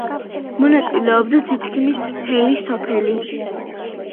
მონაწილეობდა თითქმის მთელი სოფელი.